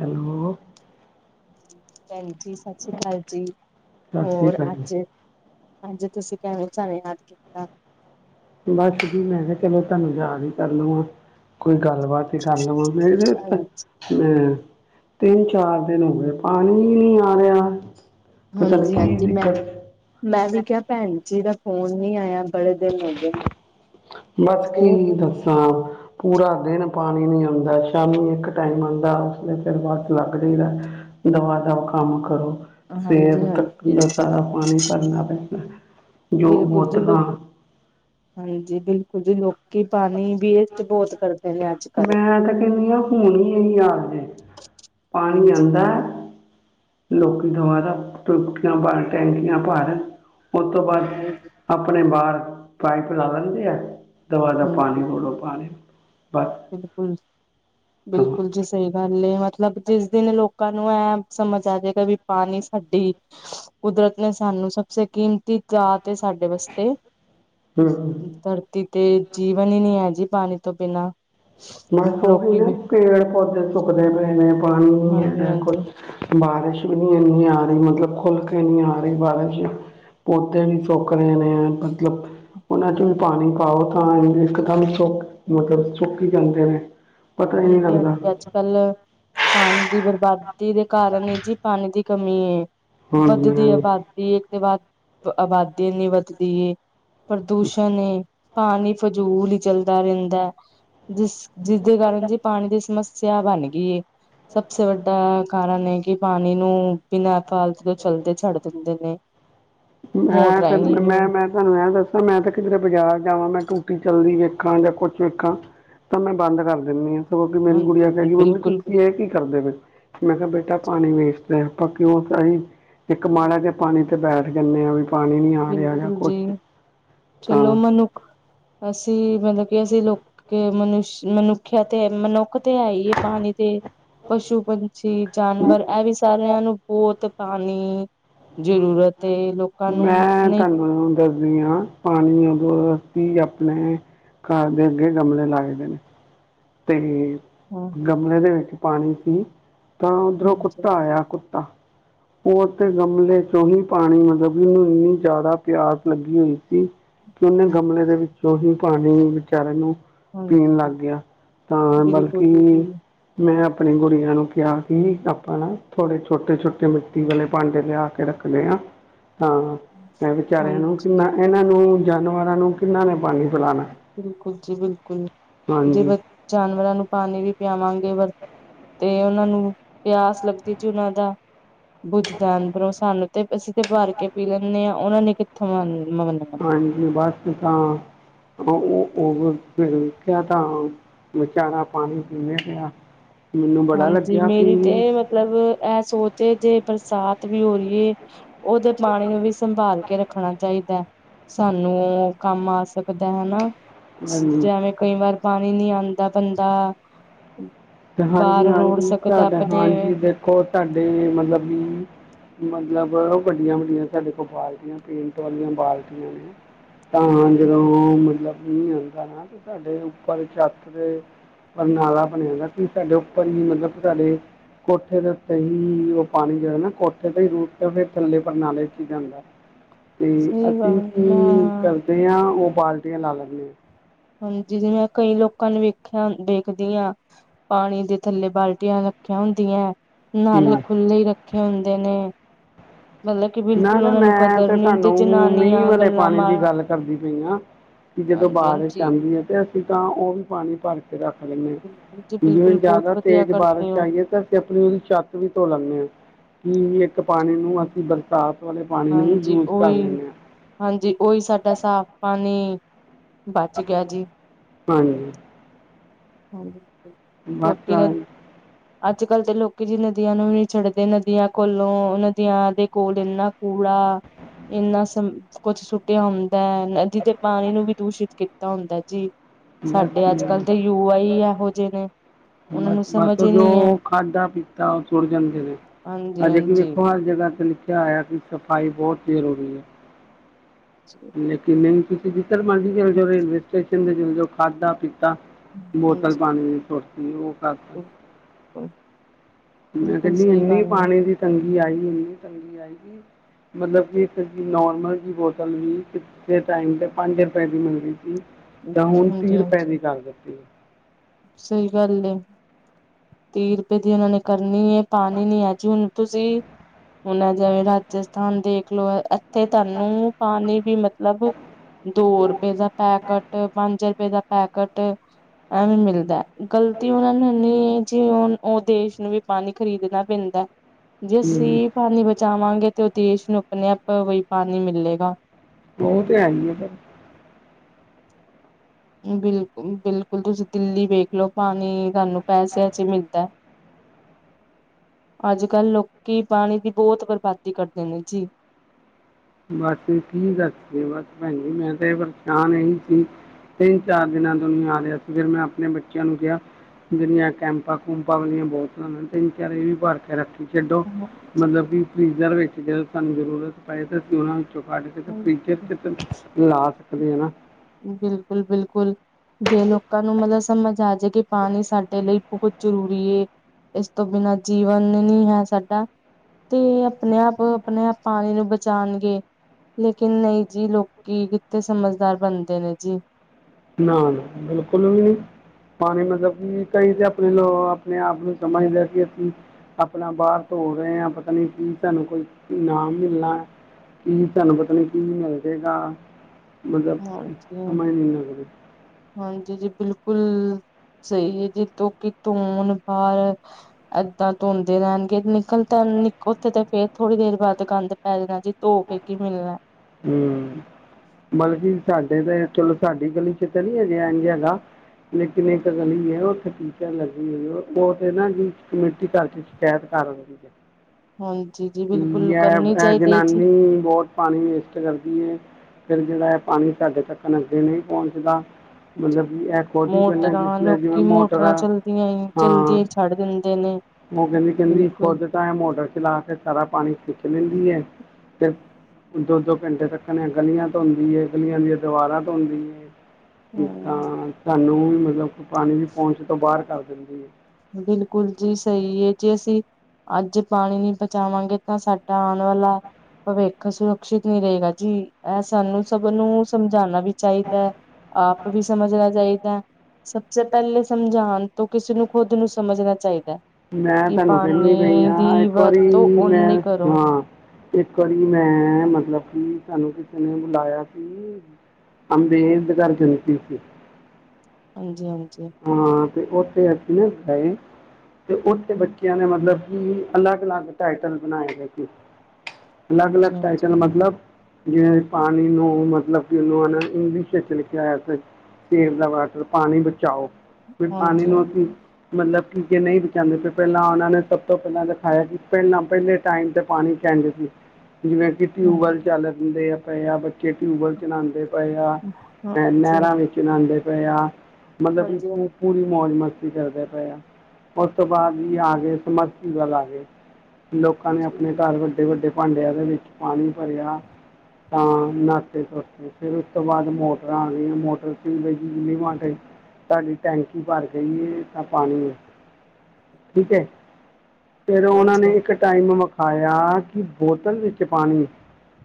Hello ਭੈਨ ਜੀ ਸਤਿ ਸ੍ਰੀ ਅਕਾਲ ਜੀ ਸਤਿ ਸ਼੍ਰੀ ਹੋਰ ਅਕਾਲ ਅੱਜ ਜੀ ਹਾਂਜੀ ਤੁਸੀਂ ਭੈਣ ਤੁਾਨੂੰ ਯਾਦ ਕੀਤਾ ਬਸ ਜੀ ਮੈਂ ਤਾਂ ਚਲੋ ਤੁਹਾਨੂੰ ਯਾਦ ਹੀ ਕਰ ਲਵਾਂ ਕੋਈ ਗੱਲਬਾਤ ਕਰ ਲਵੋ [unintelligible] ਮੈਂ ਤਿੰਨ-ਚਾਰ ਦਿਨ ਹੋ ਗਏ ਪਾਨੀ ਨੀ ਆ ਰਿਹਾ ਪਤਾ ਨੀ ਹਾਂਜੀ ਕੀ ਹਾਂਜੀ ਮੈਂ ਦਿੱਕਤ ਮੈਂ ਵੀ ਕਿਹਾ ਪੈਣ ਜੀ ਦਾ ਫੋਨ ਨੀ ਆਇਆ ਬੜੇ ਦਿਨ ਹੋ ਗਏ ਨੇ ਬਸ ਬਹੁਤ ਠੀਕ ਦੱਸ [unintelligible] ਪੂਰਾ ਦਿਨ ਪਾਣੀ ਨੀ ਆਂਦਾ ਸ਼ਾਮੀ ਇੱਕ ਟਾਈਮ ਆਂਦਾ ਉਸੇ ਫਿਰ ਬਾਅਦ ਲੱਗ ਜਾਇਦਾ ਦਵਾ ਦੱਬ ਕੰਮ ਕਰੋ ਹਾਂਜੀ ਸਵੇਰ ਤੱਕ ਹਾਂਜੀ ਸਾਰਾ ਪਾਣੀ ਭਰਨਾ ਪੈਂਦਾ ਜੋ ਬਿਲਕੁਲ ਜੀ ਮੋਟਰਾਂ ਲੋਕ ਹਾਂਜੀ ਬਿਲਕੁਲ ਜੀ ਲੋਕ ਕਿ ਪਾਣੀ ਵੇਸਟ ਬਹੁਤ ਕਰਦੇ ਨੇ ਅੱਜ ਕੱਲ੍ਹ ਮੈਂ ਤਾਂ ਕਹਿੰਦੀ ਹਾਂ ਹੁਣ ਵੀ ਇਹੀ ਹਾਲ ਏ ਪਾਣੀ ਹਾਂਜੀ ਆਂਦਾ ਲੋਕੀ ਦਵਾਰਾ ਟੂਟੀਆਂ ਭਰ ਟੈਂਕੀਆਂ ਭਰ ਉਸ ਤੋਂ ਬਾਦ ਹਾਂਜੀ ਅਪਨੇ ਬਾਹਰ ਪਾਈਪ ਲਾ ਲੈਂਦੇ ਆ ਦਵਾ ਦਾ ਪਾਣੀ ਹਾਂਜੀ ਰੜੋ ਪਾਣੀ ਬਸ ਬਿਲਕੁਲ ਤਮ ਬਿਲਕੁਲ ਜੀ ਸਹੀ ਗੱਲ ਮਤਲਬ ਜਿਸ ਦਿਨ ਲੋਕਾਂ ਇਹ ਸਮਝ ਆ ਜਾਏਗਾ ਵੀ ਪਾਣੀ ਸਾਡੀ ਕੁਦਰਤ ਨੇ ਸਾਨੂੰ ਸਭਸ ਕੀਮਤੀ ਜਾ ਤੇ ਸਾਡੇ ਵਾਸਤੇ ਹਮ। ਧਰਤੀ ਤੇ ਜੀਵਨ ਹੀ ਨਹੀਂ ਹੈ ਜੀ ਪਾਣੀ ਤੋਂ ਬਿਨਾਂ ਬਸ ਉਹੀ ਲੋਕੀ ਨਾ, ਵੀ ਪੇੜ ਪੌਦੇ ਸੁੱਕਦੇ ਪਏ ਨੇ ਪਾਣੀ ਨਹੀ ਹਾਂਜੀ ਐ ਹਾਂਜੀ ਕੁਛ ਬਾਰਿਸ਼ ਵੀ ਨਹੀਂ ਏਨੀ ਆ ਰਹੀ ਮਤਲਬ ਖੁੱਲ ਕੇ ਨਈ ਆ ਰਹੀ ਬਾਰਿਸ਼ ਪੌਦੇ ਵੀ ਸੁਕ ਰਹੇ ਨੇ ਮਤਲਬ ਉਹਨਾਂ ਚ ਵੀ ਪਾਣੀ ਪਾਓ ਤਾਂ ਵੀ ਇਕਦਮ ਸੁੱਕ ਮਤਲਬ ਸੁੱਕ ਹੀ ਜਾਂਦੇ ਨੇ। ਪਤਾ ਹੀ ਨਹੀਂ ਹਾਂਜੀ ਲੱਗਦਾ ਹਾਂਜੀ, ਅੱਜ ਕੱਲ ਪਾਣੀ ਦੀ ਬਰਬਾਦੀ ਦੇ ਕਾਰਨ ਜੀ ਪਾਣੀ ਦੀ ਕਮੀ ਏ। ਹਾਂਜੀ ਵੱਧਦੀ ਹਾਂਜੀ ਆਬਾਦੀ ਇਸ ਤੋਂ ਬਾਦ ਆਬਾਦੀ ਏਨੀ ਵਧਦੀ ਏ, ਪ੍ਰਦੂਸ਼ਣ ਏ ਪਾਣੀ ਫਜੂਲ ਹੀ ਚੱਲਦਾ ਰਹਿੰਦਾ ਹੈ ਜਿਸ ਜਿਸਦੇ ਕਾਰਨ ਜੀ ਪਾਣੀ ਦੀ ਸਮੱਸਿਆ ਬਣ ਗਈ ਏ ਸਭਸੇ ਵੱਡਾ ਕਾਰਨ ਹੈ ਕਿ ਪਾਨੀ ਨੂੰ ਬਿਨਾਂ [unintelligible] ਫਾਲਤ ਤੋਂ ਚਲਦੇ ਛੱਡ ਦਿੰਦੇ ਨੇ ਮੋਟਰਾਂ ਹੈੈਂ ਹੀ [unintelligible] ਨਹੀਂ ਮੈਂ ਮੈਂ ਤੁਹਾਨੂੰ ਮੈਂ ਦੱਸਾਂ ਮੈਂ ਤਾਂ ਕਿਧਰੇ ਬਾਜ਼ਾਰ ਜਾਵਾਂ ਮੈਂ ਟੂਟੀ ਚੱਲਦੀ ਵੇਖਾਂ ਜਾਂ ਕੁਛ ਵੇਖਾਂ ਤਾਂ ਮੈਂ ਬੰਦ ਕਰ ਦਿੰਦੀ ਹਾਂ ਸਗੋਂ ਮੇਰੀ ਗੁਡੀਆ ਹਾਂਜੀ ਕਹੇਗੀ ਮੰਮੀ ਬਿਲਕੁਲ ਤੁਸੀਂ ਕੀ ਇਹ ਕੀ ਕਰਦੇ ਪਏ ਮੈਂ ਕਿਹਾ ਬੇਟਾ ਪਾਣੀ ਵੇਸਟ ਹੈ ਆਪਾਂ ਕਿਉਂ ਅਹੀ ਇੱਕ ਮਾੜਾ ਜ ਪਾਣੀ ਤੇ [unintelligible] ਬੈਠ ਕਹਿੰਦੇ ਆ ਵੀ ਪਾਣੀ ਨੀ ਆ ਰਿਹਾ ਜਾਂ ਬਿਲਕੁਲ ਜੀ ਕੁਛ ਤਾਂ ਚਲੋ ਮਨੁੱਖ ਅਸੀਂ ਮਤਲਬ ਕਿ ਅਸੀਂ ਲੋਕ ਮਨੁਸ਼ ਮਨੁ ਸੱਖਿਆ ਤੇ ਮਨੁੱਖ ਤੇ ਹੈ ਹੀ ਪਾਣੀ ਤੇ ਪਸ਼ੂ ਪੰ ਸ਼ੀ ਮ- ਜਾਨਵਰ ਇਹ ਵੀ ਸਾਰਿਆਂ ਨੂੰ ਬਹੁਤ ਪਾਣੀ ਜ਼ਰੂਰਤ ਏ ਲੋਕ ਮੈਂ ਤੁਹਾਨੂੰ ਦੱਸਦੀ ਹਾਂ ਪਾਣੀ ਉਦੋਂਸਤੀ ਆਪਣੇ ਘਰ ਦੇ ਅੱਗੇ ਗਮਲੇ ਲਾਗਦੇ ਨੇ [unintelligible] ਹਾਂ ਗਮਲੇ ਦੇ ਵਿੱਚ ਪਾਣੀ ਸੀ ਤਾਂ ਉੱਧਰੋਂ ਹਾਂਜੀ ਕੁੱਤਾ ਹਾਂਜੀ ਆਇਆ ਕੁੱਤਾ ਉਹ ਤੇ ਗਮਲੇ ਚ ਚੋਹੀ ਪਾਣੀ ਮਤਲਬ ਕਿ ਉਹਨੂੰ ਇੰਨੀ ਜ਼ਿਆਦਾ ਪਿਆਸ ਲੱਗੀ ਹੋਈ ਸੀ ਕਿ ਉਹਨੇ ਹਾਂਜੀ ਗਮਲੇ ਦੇ ਵਿੱਚ ਔ ਹੀ ਪਾਣੀ ਵਿਚਾਰੇ ਨੂੰ ਪੀਣ ਲੱਗ ਹਾਂਜੀ ਗਿਆ ਤਾਂ ਬਿਲਕੁਲ ਬਲਕਿ ਜੀ ਮੈਂ ਅਪਨੀ ਗੁੜੀਆਂ ਨੂੰ ਕਿਹਾ ਕਿ ਆਪਾਂ ਨਾ ਥੋੜੇ ਛੋਟੇ ਛੋਟੇ ਮਿੱਟੀ ਵਾਲੇ ਭਾਂਡੇ ਲਿਆ ਕੇ ਰੱਖ ਨੇ ਆ ਹਾਂ ਵਿਚਾਰਿਆਂ ਨੂੰ ਹਾਂਜੀ ਕਿੰਨਾ ਇਹਨਾਂ ਨੂੰ ਜਾਨਵਰਾਂ ਨੂੰ ਕਿੰਨਾ ਨੇ ਪਾਣੀ ਪਿਲਾਉਣਾ ਬਿਲਕੁਲ ਜੀ ਬਿਲਕੁਲ। ਜੇ ਹਾਂਜੀ ਜਾਨਵਰਾਂ ਨੂੰ ਪਾਣੀ ਵੀ ਪਿਆਵਾਂਗੇ ਵਰ ਤੇ ਉਹਨਾਂ ਨੂੰ ਪਿਆਸ ਲੱਗਦੀ ਜਿਨਾਂ ਦਾ ਬੁਝਦਾ ਅੰਦਰੋਂ ਸਾਨੂੰ ਤੇ ਅਸੀਂ ਤੇ ਭਰ ਕੇ ਪੀ ਲੈਂਨੇ ਹਾਂ ਉਹਨਾਂ ਨੇ ਕਿੱਥੋਂ ਮੰਗਣਾ ਏ। ਹਾਂਜੀ ਬਸ ਤਾਂ ੳਹ ਫੇਰ ਵੇਖਿਆ ਤਾਂ ਵਿਚਾਰਾ ਪਾਣੀ ਪੀਂਦੇ ਪੇ ਆ ਮੈਨੂੰ ਬੜਾ ਹਾਂਜੀ ਲੱਗਿਆ ਕਿ ਮੇਰੀ ਤੇ ਮਤਲਬ ਇਹ ਸੋਚ ਏ ਜੇ ਬਰਸਾਤ ਵੀ ਹੋ ਰਹੀ ਏ, ਉਹਦੇ ਪਾਣੀ ਨੂੰ ਵੀ ਸੰਭਾਲ ਕੇ ਰੱਖਣਾ ਚਾਹੀਦਾ ਹੈ। ਸਾਨੂੰ ਕੰਮ ਆ ਸਕਦਾ, ਹੈਨਾ। ਜੈਵੇਂ ਕਈ ਵਾਰ ਪਾਣੀ ਨੀ ਆਉਂਦਾ, ਬੰਦਾ ਹਾਂਜੀ ਬਾਹਰ ਰੋੜ ਹਾਂਜੀ ਸਕਦਾ ਤੁਹਾਡਾ ਆਪਣੇ ਹਾਂਜੀ ਦੇਖੋ ਤੁਹਾਡੇ ਮਤਲਬ ਵੀ ਮਤਲਬ ਉਹ ਵੱਡੀਆਂ ਵੱਡੀਆਂ ਸਾਡੇ ਕੋਲ ਬਾਲਟੀਆਂ, ਪੇਂਟ ਵਾਲੀਆਂ ਬਾਲਟੀਆਂ ਨੇ ਤਾਂ ਜਦੋਂ ਮਤਲਬ ਮੀਂਹ ਆਉਂਦਾ ਨਾ ਤੇ ਸਾਡੇ ਉੱਪਰ ਛਤ ਤੇ ਪਰਨਾਲਾ ਬਣਿਆ ਦਾ ਏ ਸਾਡੇ ਉੱਪਰ ਹੀ ਮਤਲਬ ਸਾਡੇ ਕੋਠੇ ਦੇ ਉੱਤੇ ਹੀ ਉਹ ਪਾਣੀ ਜਿਹੜਾ ਨਾ ਕੋਠੇ ਦੇ ਹੀ ਰੁਟ ਤੋ ਫੇਰ ਥੱਲੇ ਪਰਨਾਲੇ ਚ ਹੀ ਜਾਂਦਾ। ਤੇ ਸਹੀ ਅਸੀਂ ਗੱਲ ਕੀ ਮੈਂ ਕਰਦੇ ਆ ਉਹ ਬਾਲਟੀਆਂ ਲਾ ਲੈਂਦੇ ਆਂ। ਹਾਂਜੀ ਜਿਵੇਂ ਕਈ ਲੋਕਾਂ ਨੂੰ ਵੇਖਿਆ ਵੇਖਦੀ ਹਾਂ ਪਾਣੀ ਦੇ ਥੱਲੇ ਬਾਲਟੀਆਂ ਰੱਖੀਆਂ ਹੁੰਦੀਆਂ ਨਾਲੇ ਹਾਂ ਖੁੱਲੇ ਈ ਰੱਖੇ ਹੁੰਦੇ ਨੇ। ਮਤਲਬ ਕਿ ਨਾ ਬਿਲਕੁਲ ਨਾ ਉਹਨਾਂ ਨੂੰ ਮੈਂ ਕਦਰ ਤੇ ਨੀ ਤੁਹਾਨੂੰ ਹੁੰਦੀ ਮੀਂਹ ਜਨਾਨੀਆਂ ਵਾਲੇ ਗੱਲਾਂ ਪਾਣੀ ਦੀ ਮਾਰ ਗੱਲ ਕਰਦੀ ਪਈ ਆਂ। ਜਦੋਂ ਹਾਂਜੀ ਬਾਰਿਸ਼ ਹਾਂਜੀ ਆਉਂਦੀ ਹੈ ਤੇ ਅਸੀਂ ਤਾਂ ਉਹ ਵੀ ਪਾਣੀ ਭਰ ਕੇ ਰੱਖ ਬਿਲਕੁਲ ਜੀ ਬਿਲਕੁਲ ਲੈਂਦੇਾਂਿ ਬਹੁਤ ਜਿਆਦਾ ਵਧੀਆ ਤੇਜ਼ ਕਰਦੇ ਬਾਰਿਸ਼ ਹੋ ਆਈਏ ਤਾਂ ਆਪਣੀ ਉਹਦੀ ਛੱਤ ਵੀ ਧੋ ਲੈਂਦੇ ਹਾਂ ਕਿ ਇੱਕ ਪਾਣੀ ਨੂੰ ਅਸੀਂ ਬਲ ਵਾਲੇ ਪਾਣੀ ਨੂੰ ਵੀ ਹਾਂਜੀ ਯੂਜ ਕਰ ਉਹੀ ਲੈਂਦੇ ਹਾਂ ਹਾਂਜੀ ਉਹੀ ਸਾਡਾ ਸਾਫ਼ ਪਾਣੀ ਬਚ ਗਿਆ ਜੀ ਹਾਂਜੀ ਹਮ ਬਿਲਕੁਲ ਬਸ ਲੋਕਕ ਨਾ ਆਹੀ ਅੱਜ ਕੱਲ੍ਹ ਦੇ ਲੋਕੀ ਜੀ ਨਦੀਆਂ ਨੂੰ ਨੀ ਛੱਡਦੇ ਨਦੀਆਂ ਕੋਲੋਂ ਨਦੀਆਂ ਦੇ ਕੋਲ ਇੰਨਾ ਕੂੜਾ ਇੰਨਾ ਕੁਛ ਸੁੱਟਿਆ ਹੁੰਦਾ ਹੈ, ਨਦੀ ਤੇ ਪਾਣੀ ਨੂੰ ਵੀ ਦੂਸ਼ਿਤ ਕੀਤਾ ਹੁੰਦਾ ਜੀ। [unintelligible] ਯੁਵਾ ਈ ਏਹੋ ਜਹੇ ਨੇ। ਉਹਨਾਂ ਨੂੰ ਸਮਝ ਮਤਲਬ ਹੀ ਜੋ ਨਹੀਂ ਹੈ ਖਾਦਾ- ਪੀਤਾ ਔ ਸੁਟ ਦਿੰਦੇ ਨੇ। ਹਾਂਜੀ ਅਜੇ ਵੀ ਹਾਂਜੀ ਦੇਖੋ ਹਰ ਜਗ੍ਹਾ ਤੇ ਲਿਖਿਆ ਹੋਇਆ ਕਿ ਸਫ਼ਾਈ ਬਹੁਤ ਜ਼ਰੂਰੀ ਹੈ। [inaudible] ਲੇਕਿਨ ਨਹੀਂ, ਤੁਸੀਂ ਜਿੱਧਰ ਮਰਜ਼ੀ ਚਲੇ ਜੋ, ਰੇਲਵੇ ਸਟੇਸ਼ਨ ਤੇ ਚਲੇ ਜੋ, ਖਾਧਾ ਪੀਤਾ ਬੋਤਲ, ਹਾਂਜੀ ਪਾਣੀ ਦੀ ਧੋਤੀ, ਉਹ ਕਰ [inaudible] ਮੈਂ ਬਿਲਕੁਲ ਕਹਿੰਦੀ, ਸਹੀ ਏਨੀ ਗੱਲ ਹੈ ਪਾਣੀ ਦੀ ਤੰਗੀ ਆਈ, ਏਨੀ ਤੰਗੀ ਆਈ ਮਤਲਬ ਕਿ, ਇੱਕ ਨੋਰਮਲ ਜੀ, ਬੋਤਲ ਵੀ ਕਿਸੇ, ਟਾਈਮ ਤੇ ਪੰਜ ਰੁਪਏ ਦੀ ਮਿਲਦੀ ਸੀ, ਤਾਂ ਹੁਣ ਤੀਹ ਹਾਂਜੀ ਰੁਪਏ ਦੀ ਹਾਂਜੀ ਕਰ ਦਿੱਤੀ। ਸਹੀ ਗੱਲ ਏ। ਤੀਹ ਰੁਪਏ ਦੀ ਇਹਨਾਂ ਨੇ ਕਰਨੀ ਏ, ਪਾਣੀ ਨੀ ਹੈ ਜੀ, ਹੁਣ ਤੁਸੀਂ ਹੁਣ ਜਿਵੇਂ, ਰਾਜਸਥਾਨ ਦੇਖ ਲੋ, ਇੱਥੇ ਤੁਹਾਨੂੰ, ਪਾਣੀ ਵੀ ਮਤਲਬ ਦੋ ਰੁਪਏ ਦਾ ਪੈਕਟ, ਪੰਜ ਰੁਪਏ ਦਾ ਪੈਕਟ, ਐਵੇਂ ਮਿਲਦਾ, ਗ਼ਲਤੀ ਉਹਨਾਂ ਨੂੰ ਨਹੀਂ ਜੀ, ਉਹ -ਉਹ ਦੇਸ਼ ਨੂੰ ਵੀ, ਪਾਣੀ ਖਰੀਦਣਾ ਪੈਂਦਾ ਹੈ ਜਿਸ ਹੂੰ ਦੀ ਪਾਣੀ ਬਚਾਵਾਂਗੇ ਤੇ, ਉਹ ਦੇਸ਼ ਨੂੰ, ਆਪਣੇ ਆਪ ਵਹੀ ਪਾਨੀ ਮਿਲੇਗਾ। ਉਹ ਤੇ, ਹੈ ਹੀ ਆ ਫੇਰ ਬਿਲਕੁਲ -ਬਿਲਕੁਲ, ਤੁਸੀਂ ਦਿੱਲੀ ਵੇਖ ਲਓ ਪਾਣੀ ਤੁਹਾਨੂੰ ਪੈਸਿਆਂ ਚ ਮਿਲਤਾ। ਅੱਜ -ਕੱਲ੍ਹ ਲੋਕੀ, ਪਾਣੀ ਦੀ ਬਹੁਤ ਬਰਬਾਦੀ ਕਰਦੇ ਨੇ ਜੀ। ਬਸ ਕੀ, ਦੱਸੀਏ, ਬਸ ਭੈਣ ਜੀ, ਮੈਂ ਤੇ ਪਰੇਸ਼ਾਨ ਇੰਨੀ ਸੀ। ਤਿੰਨ, ਚਾਰ ਦਿਨਾਂ ਤੋੰ ਨਹੀਂ ਆ ਰਿਹਾ ਸੀ। ਫਿਰ ਮੈਂ, ਆਪਣੇ ਬੱਚਿਆਂ ਨੂੰ ਕਿਹਾ ਜਿਹੜੀਆਂ, ਕੈਂਪਾਂ -ਕੂੰਪਾਂ ਵਾਲੀਆਂ ਬੋਤਲਾਂ ਨੇ, ਤਿੰਨ, ਚਾਰ ਇਹ ਵੀ ਭਰ ਕੇ ਰੱਖ। ਛੱਡੋ, ਮਤਲਬ ਕਿ ਫਰੀਜ਼ਰ ਵਿੱਚ, ਜਦੋਂ ਸਾਨੂੰ ਜ਼ਰੂਰਤ ਪਏ ਤਾਂ, ਅਸੀਂ ਉਹਨਾਂ ਚੋ ਕੱਢ ਕੇ, ਫ੍ਰੀਜਰ ਚ ਤੇ, ਲਾ ਸਕਦੇ ਹਾਂ ਨਾ। ਬਿਲਕੁਲ- ਬਿਲਕੁਲ, ਜੇ ਲੋਕਾਂ ਨੂੰ ਮਤਲਬ, ਸਮਝ ਆ ਜਾਏਗੀ। ਪਾਣੀ, ਸਾਡੇ ਲਈ ਬਹੁਤ ਜ਼ਰੂਰੀ ਏ, ਇਸ ਤੋਂ ਬਿਨਾਂ ਜੀਵਨ ਨਹੀਂ ਹੈ ਸਾਡਾ। ਤੇ, ਆਪਣੇ ਆਪ -ਆਪਣੇ ਆਪ ਪਾਣੀ ਨੂੰ, ਬਚਾਉਣਗੇ। ਲੇਕਿਨ, ਨਹੀਂ ਜੀ, ਲੋਕੀ ਕਿੱਥੇ ਸਮਝਦਾਰ ਬਣਦੇ ਨੇ ਜੀ। ਨਾ, ਬਿਲਕੁਲ ਵੀ ਨਹੀਂ। ਪਾਣੀ, ਮਤਲਬ ਕਿ ਕਈ ਤਾਂ ਆਪਣੇ, ਆਪਣੇ ਆਪ ਨੂੰ ਸਮਝਦੇ ਆ ਕਿ ਅਸੀਂ ਆਪਣਾ, ਬਾਹਰ ਤੋੜ ਰਹੇ ਹਾਂ। ਪਤਾ ਨੀ ਕੀ ਸਾਨੂੰ, ਕੋਈ ਇਨਾਮ ਮਿਲਣਾ। ਕੀ, ਸਾਨੂੰ ਪਤਾ ਨੀ ਕੀ ਮਿਲ ਜਾਏਗਾ, ਮਤਲਬ ਹਾਂਜੀ। ਸਮਝ ਨਹੀਂ ਲੱਗਦੀ। ਹਾਂਜੀ ਜੀ, ਬਿਲਕੁਲ ਸਹੀ ਹੈ ਜੀ, [unintelligible] ਏਦਾਂ, ਧੋਂਦੇ ਰਹਿਣਗੇ ਨਿਕਲ ਤਾਂ, ਨੀ ਉੱਥੇ ਤੇ ਫੇਰ ਥੋੜੀ ਦੇਰ ਬਾਅਦ, ਗੰਦ ਪੈ ਜਾਣਾ ਜੀ, ਧੋ ਕੇ ਕੀ ਮਿਲਣਾ? ਹਮ। ਮਤਲਬ ਕਿ ਸਾਡੇ ਤਾਂ, ਚਲੋ ਸਾਡੀ ਗਲੀ ਚ, ਤਾਂ ਨਹੀਂ ਹਜੇ ਐੰਜ ਹੈਗਾ। ਲੇਕਿਨ ਇੱਕ ਗਲੀ ਹੈ, ਉੱਥੇ ਟੀਚਣ ਲੱਗੀ ਹੋਈ, ਉਹ ਤੇ ਨਾ ਜੀ, ਕਮੇਟੀ ਘਰ ਚ, ਸ਼ਿਕਾਇਤ ਕਰ ਆ ਠੀਕ ਹੈ। ਹਾਂਜੀ ਜੀ, ਬਿਲਕੁਲ ਕਰਨੀ ਚਾਹੀਦੀ ਹੈ ਜੀ। ਖੁਦ ਬਹੁਤ, ਪਾਣੀ ਵੇਸਟ ਕਰਦੀ ਹੈ। ਫਿਰ ਜਿਹੜਾ ਹੈ ਪਾਣੀ ਸਾਡੇ ਤੱਕਣ ਅੱਗੇ ਨਹੀਂ ਪਹੁੰਚਦਾ। ਜੀ ਮਤਲਬ ਕਿ, ਇਹ ਖੁਦ ਹੀ ਪਹਿਲਾਂ, ਜਿਸ ਮੋਟਰਾਂ ਜਿਵੇਂ ਲੋਕੀ ਮੋਟਰ ਮੋਟਰਾਂ ਆ, ਚਲਦੀਆਂ ਹੀ ਹਾਂ ਚਲਦੀਆਂ ਛੱਡ ਦਿੰਦੇ ਨੇ ਉਹ ਕਹਿੰਦੀ, ਕਹਿੰਦੀ ਬਿਲਕੁਲ ਖੁਦ ਤਾਂ ਏ ਮੋਟਰ ਚਲਾ ਕੇ ਸਾਰਾ ਪਾਣੀ ਖਿੱਚ ਲੈਂਦੀ ਹੈ। ਤੇ ਦੋ-ਦੋ ਘੰਟੇ ਤੱਕਣ ਗਲੀਆਂ ਧੋਂਦੀ ਏ ਗਲੀਆਂ ਦੀਆਂ ਦੀਵਾਰਾਂ ਧੋਂਦੀ ਹੈ। ਹਮ ਤਾਂ, ਸਾਨੂੰ ਵੀ ਮਤਲਬ, ਪਾਣੀ ਦੀ ਪਹੁੰਚ ਤੋਂ ਬਾਹਰ ਕਰ ਦਿੰਦੀ ਹੈ। ਬਿਲਕੁਲ ਜੀ, ਸਹੀ ਹੈ ਜੇ, ਅਸੀਂ ਅੱਜ ਪਾਣੀ ਨੀ, ਪਹੁੰਚਾਵਾਂਗੇ ਤਾਂ, ਸਾਡਾ ਆਉਣ ਵਾਲਾ ਭਵਿੱਖ, ਸੁਰੱਖਸ਼ਿਤ ਨੀ ਰਹੇਗਾ ਜੀ, ਇਹ ਸਾਨੂੰ ਸਭ ਨੂੰ ਸਮਝਾਣਾ ਵੀ ਚਾਹੀਦਾ, ਆਪ ਵੀ ਸਮਝਣਾ ਚਾਹੀਦਾ, ਸਭ ਸੇ ਪਹਿਲੇ ਸਮਝਾਉਣ ਤੋਂ ਕਿਸੇ ਨੂੰ ਖੁਦ ਨੂੰ, ਸਮਝਣਾ ਚਾਹੀਦਾ। ਮੈਂ ਕਿ ਤੁਹਾਨੂੰ ਕਹਿੰਦੀ ਪਈ ਪਾਣੀ ਹ ਦੀ ਇੱਕ ਵਾਰੀ ਵਰਤੋਂ ਮੈਂ ਓਨੀ ਕਰੋ ਹਾਂ ਇੱਕ ਵਾਰੀ ਮੈਂ ਮਤਲਬ ਕਿ ਤੁਹਾਨੂੰ ਕਿਸੇ ਨੇ ਬੁਲਾਇਆ ਸੀ ਅੰਬਦ ਘਰ ਜਾਂਦੀ ਸੀ ਹਾਂਜੀ ਹਾਂਜੀ ਹਾਂ ਤੇ ਉੱਥੇ ਅਸੀਂ ਨਾਏ ਅਤੇ ਉਥੇ ਬੱਚਿਆਂ ਨੇਲ ਕਿ ਅਲੱਗ ਅਲੱਗ ਟਾਈਟਲ ਬਣਾਏ ਸੀ ਅਲਗ ਅਲੱਗ ਹਾਂਜੀ ਹਾਂਜੀ ਟਾਈਟਲ ਮਤਲਬ ਜ ਪਾਣੀ ਨੂੰ ਮਤਲਬ ਕਿ ਉਹਨੂੰ ਨੇ ਇੰਗਲਿਸ਼ ਵਿੱਚ ਲਿ ਕੇ ਆਇਆ ਸੀ ਸਰ ਦਾ ਵਾਟਰ ਪਾਣੀ ਬਚਾਓ ਫਿਰ ਪਾਣੀ ਹਾਂਜੀ ਹਾਂ ਨੂੰ ਅਸੀਂ ਮਤਲਬ ਕੀਟੀਕੇ ਨਹੀਂ ਬਚਾਉਂਦੇ ਪ ਪਹਿਲਾਂ ਉਹਨਾਂ ਨੇ ਸਭ ਤੋਂ ਪਹਿਲਾਂ ਦਿਖਾਇਆ ਕਿ ਪਹਿਲਾਂ ਪਹਿਲੇ ਟਾਈਮ ਤੇ ਪਾਣੀ ਕੈਂਦੇ ਸੀ ਜਿਵੇਂ ਕਿ ਟਿਊਬਵੈਲ ਚੱਲਦੇ ਪਏ ਆ ਬੱਚੇ ਟਿਊਬਵੈੱਲ ਚਲਾਉਂਦੇ ਪਏ ਆ ਜੀ ਹਾਂਜੀ ਨਹਿਰਾਂ ਵਿੱਚ ਚਨਾਉਂਦੇ ਪਏ ਆ ਮਤਲਬ ਹਾਂਜੀ ਹਾਂਜੀ ਕਿ ਪੂਰੀ ਮੌਜ ਮਸਤੀ ਕਰਦੇ ਪਏ ਆ ਉਸ ਤੋਂ ਬਾਅਦ ਵੀ ਆ ਗਏ ਸਬਮਰਸੀਥਲ ਆ ਗਏ ਲੋਕਾਂ ਨੇ ਆਪਣੇ ਘਰ ਵੱਡੇ-ਵੱਡੇ ਭਾਂਡਿਆਂ ਦੇ ਵਿੱਚ ਪਾਣੀ ਭਰਿਆ ਤਾਂ ਨਾਹਤੇ ਧੋਤੇ ਫਿਰ ਉਸ ਤੋਂ ਬਾਅਦ ਮੋਟਰਾਂ ਆ ਗਈਆਂ ਮੋਟਰ ਚਦੇ ਬਲੀ ਵਾਂਟੇ ਤੁਹਾਡੀ ਟੈਂਕੀ ਭਰ ਗਈਏ ਤਾਂ ਪਾਣੀ ਠੀਕ ਹੈ ਫਿਰ ਉਹਨਾਂ ਨੇ ਹਾਂਜੀ ਇੱਕ ਟਾਈਮ ਵਿਖਾਇਆ ਕਿ ਬੋਤਲ ਵਿੱਚ ਪਾਣੀ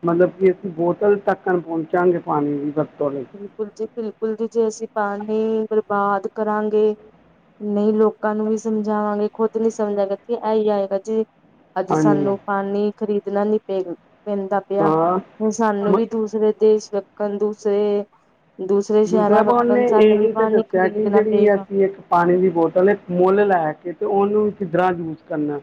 ਮਤਲਬ ਕਿ ਅਸੀਂ ਬੋਤਲ ਤੱਕਣ ਪਹੁੰਚਾਂਗੇ ਪਾਣੀ ਦੀ ਵਰਤੋਂ ਲਈ ਬਿਲਕੁਲ ਜੀ ਬਿਲਕੁਲ ਜੀ ਜੇ ਅਸੀਂ ਪਾਣੀ ਬਰਬਾਦ ਕਰਾਂਗੇ ਨਹੀਂ ਲੋਕਾਂ ਨੂੰ ਵੀ ਸਮਝਾਵਾਂਗੇ ਖੁੱਦ ਨੀ ਸਮਝਾ ਗੇ ਥਇ ਇਹੀ ਆਏਗਾ ਜੀ ਅੱਜ ਹਾਂਜੀ ਸਾਨੂੰ ਪਾਣੀ ਖ਼ਰੀਦਣਾ ਨੀ ਪੈਂ ਪੲਗਾ ਪੈਂਦਾ ਪਿਆ ਹਾਂ ਫ ਸਾਨੂੰ ਮ ਵੀ ਦੂਸਰੇ ਦੇਸ ਵੇਕਣ ਦੂਸਰੇ ਦੂਸਰੇ ਬਲਾ ਸ਼ਹਿਰਾਂ ਭਨ ਵੱਕਣ ਨੇ ਸਾਨੂੰ ਵੀ ਇਹੀ ਤਾਂ ਪਾਣੀ ਦੱਸਿਆ ਕਿ ਖ਼ਰੀਦਣਾ ਜਿਹੜੀ ਪਏਗਾ ਅਸੀ ਇੱਕ ਪਾਣੀ ਦੀ ਬੋਤਲ ਇੱਕ ਮੁੱਲ ਲੈ ਕੇ ਤੇ ਉਹਨੂੰ ਕਿੱਦਰਾ ਯੂਜ ਕਰਨਾ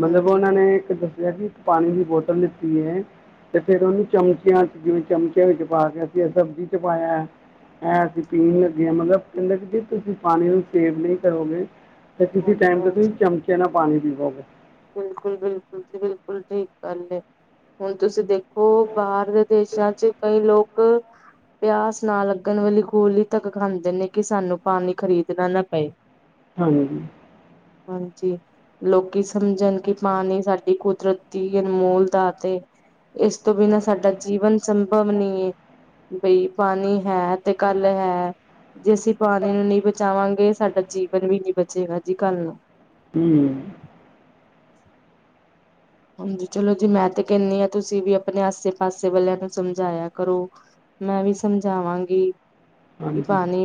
ਮਤਲਬ ਹਾਂਜੀ ਉਹਨਾਂ ਹਾਂਜੀ ਨੇ ਇੱਕ ਦੱਸਿਆ ਕਿ ਇੱਕ ਪਾਣੀ ਦੀ ਬੋਤਲ ਲਿੱਤੀ ਹੈ ਤੇ ਫੇਰ ਉਹਨੂੰ ਚਮਚਿਆਂ ਚ ਜਿਵੇਂ ਚਮਚਿਆਂ ਵਿੱਚ ਪਾ ਕੇ ਅਸੀਂ ਇਹ ਸਬਜ਼ੀ ਚ ਪਾਇਆ ਹੈਂ ਅਸੀਂ ਪੀਣ ਲੱਗੇ ਹਾਂ ਮਤਲਬ ਕਹਿੰਦਾ ਕਿ ਜ ਤੁਸੀਂ ਪਾਣੀ ਨੂੰ ਸੇਵ ਨਹੀਂ ਕਰੋਗੇ ਤੇ ਕਿਸੇ ਹਾਂਜੀ ਟਾਈਮ ਤੇ ਤੁਸੀਂ ਚਮਚੇ ਨਾਲ ਪਾਣੀ ਪੀਵਓਗੇ ਬਿਲਕੁਲ-ਬਿਲਕੁਲ ਜੀ ਬਿਲਕੁਲ ਠੀਕ ਗੱਲ ਹੈ ਹੁਣ ਤੁਸੀਂ ਦੇਖ ਓ ਬਾਹਰ ਦੇ ਦੇਸਾਂ ਚ ਕਈ ਲੋਕ ਪਿਆਸ ਨਾ ਲੱਗਣ ਵਾਲੀ ਗੋਲੀ ਤੱਕ ਖਾਂਦੇ ਨੇ ਕਿ ਸਾਨੂੰ ਪਾਣੀ ਖ਼ਰੀਦਣਾ ਨਾ ਪਏ ਹਾਂਜੀ ਹਾਂਜੀ ਲੋਕੀ ਸਮਝਣ ਕਿ ਪਾਨੀ ਸਾਡੇ ਦੀ ਕੁਦਰਤ ਦੀ ਅਨਮੋਲ ਦਾਤ ਏ ਇਸ ਤੋਂ ਬਿਨਾਂ ਸਾਡਾ ਜੀਵਨ ਸੰਭਵ ਨਹੀਂ ਹੈ ਬਈ ਪਾਣੀ ਹੈ ਤੇ ਕੱਲ ਹੈ ਜੇ ਅਸੀਂ ਪਾਣੀ ਨੂੰ ਨਹੀਂ ਬਚਾਵਾਂਗੇ ਸਾਡਾ ਬਨਵੀਨੀ ਬਚੇਗਾਜੀ ਕੱਲ ਨੂੰ। ਹਮ। ਹਾਂਜੀ ਚਲੋ ਜੀ ਮੈਂ ਤੇ ਕਹਿੰਦੀ ਹਾਂ ਤੁਸੀਂ ਵੀ ਆਪਣੇ ਆਸੇ - ਪਾਸੇ ਵਾਲਿਆਂ ਨੂੰ ਸਮਝਾਇਆ ਕਰੋ। ਮੈਂ ਵੀ ਸਮਝਾਵਾਂਗੀ ਕਿ ਹਾਂਜੀ ਪਾਣੀ।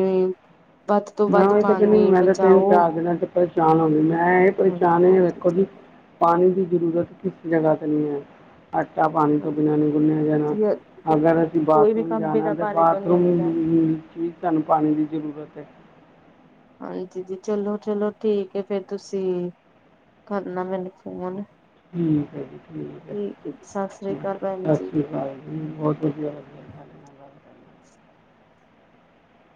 ਵੱਧ ਤੋਂ ਮੈਂ ਵੱਧ ਉ ਤਾਂ ਕਹਿੰਦੀ ਪਾਣੀ ਮੈਂ ਤਾਂ ਤਿੰਨ ਬਚਾਓ ਚਾਰ, ਦਿਨਾਂ ਚ ਪਰੇਸ਼ਾਨ ਹੋ ਗਈ ਮੈਂ ਇਹ ਪਰੇਸ਼ਾਨ ਹਾਂਜੀ ਹਾਂਜੀ ਵੇਖੋ ਜੀ। ਚਲੋ ਪਾਣੀ ਦੀ ਜ਼ਰੂਰਤ ਕਿਸ ਜਗ੍ਹਾ ਤੇ ਨਹੀਂ ਹੈ, ਆਟਾ ਪਾਣੀ ਤੋਂ ਬਿਨਾਂ ਹਾਂਜੀ। ਨਹੀਂ ਗੁੰਨਿਆ ਜਾਣਾ। ਅਗਰ ਅਸੀਂ ਕੋਈ ਵੀ ਬਾਥਰੂਮ ਕੰਮ ਜਾਣਾ, ਬਿਨਾਂ ਤਾਂ ਪਾਣੀ ਤੋਂ ਨਹੀਂ ਬਾਥਰੂਮ ਹੁੰਦਾ। ਵਿੱਚ ਵੀ ਤੁਾਨੂੰ ਪਾਣੀ ਦੀ ਜ਼ਰੂਰਤ ਹੈ। ਹਾਂਜੀ, ਜੀ ਚਲੋ -ਚਲੋ, ਠੀਕ ਹੈ ਫੇਰ ਤੁਸੀਂ। ਕਰਨਾ ਮੈਨੂੰ ਫੋਨ ਠੀਕ ਹੈ ਜੀ ਠੀਕ ਹੈ ਜੀ ਸਤਿ ਸ੍ਰੀ ਅਕਾਲ ਭੈਣ ਸਤਿ ਜੀ ਸ਼੍ਰੀ ਅਕਾਲ ਬਹੁਤ ਸ਼ੁਕਆ